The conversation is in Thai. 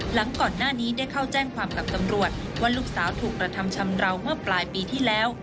หลังก่อนหน้านี้ได้เข้าแจ้งความกับตำรวจว่าลูกสาวถูกกระทำชำราวเมื่อปลายปีที่แล้ว